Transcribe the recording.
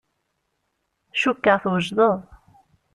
Cukkeɣ twejdeḍ.